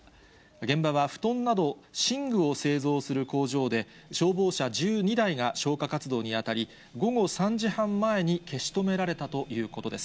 現場は布団など、寝具を製造する工場で、消防車１２台が消火活動に当たり、午後３時半前に、消し止められたということです。